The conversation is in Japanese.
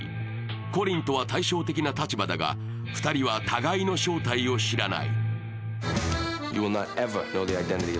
コリンとは対照的な立場だが、２人は互いの正体を知らない。